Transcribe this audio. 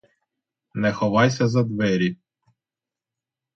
Не ховайся за двері!